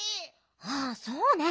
ああそうね。